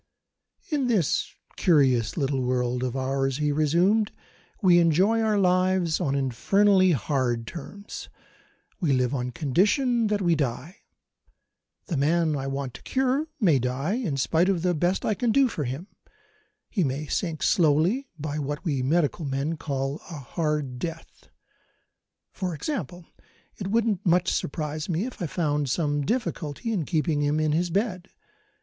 "In this curious little world of ours," he resumed, "we enjoy our lives on infernally hard terms. We live on condition that we die. The man I want to cure may die, in spite of the best I can do for him he may sink slowly, by what we medical men call a hard death. For example, it wouldn't much surprise me if I found some difficulty in keeping him in his bed.